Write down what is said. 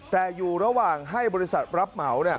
แต่อยู่ระหว่างให้บริษัทรับเหมา